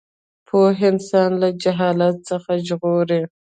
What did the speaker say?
پوهه انسان له جهالت څخه ژغوري.